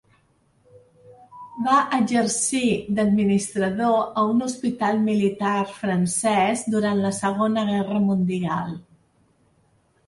Va exercir d’administrador a un hospital militar francès durant la Segona Guerra Mundial.